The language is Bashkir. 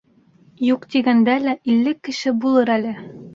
Юҡ тигәндә лә, илле кеше булыр әле.